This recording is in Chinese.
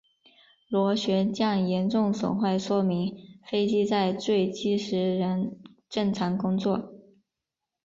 螺旋桨严重损坏说明飞机在坠机时仍正常工作。